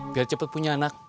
biar cepet punya anak